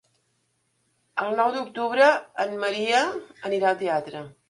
El nou d'octubre en Maria anirà al teatre.